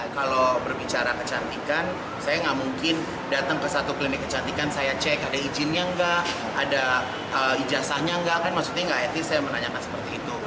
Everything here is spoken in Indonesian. kalau berbicara kecantikan saya nggak mungkin datang ke satu klinik kecantikan saya cek ada izinnya nggak ada ijazahnya nggak kan maksudnya nggak etis saya menanyakan seperti itu